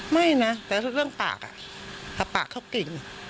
ไม่นะแต่คือร่วมปากอ่ะพักขาวติง